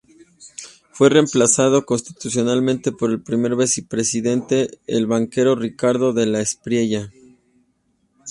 Fue reemplazado constitucionalmente por el primer vicepresidente, el banquero Ricardo de la Espriella.